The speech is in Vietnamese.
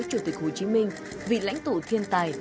chủ tịch hồ chí minh vị lãnh tụ thiên tài